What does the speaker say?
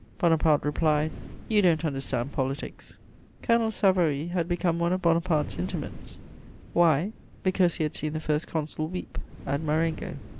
Bonaparte replied: "You don't understand politics." Colonel Savary had become one of Bonaparte's intimates. Why? Because he had seen the First Consul weep at Marengo.